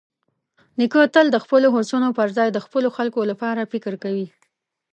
نیکه تل د خپلو هوسونو پرځای د خپلو خلکو لپاره فکر کوي.